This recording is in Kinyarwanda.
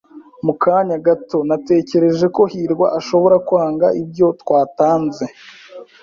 Mu kanya gato, natekereje ko hirwa ashobora kwanga ibyo twatanze.